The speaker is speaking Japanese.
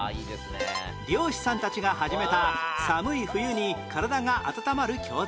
漁師さんたちが始めた寒い冬に体が温まる郷土料理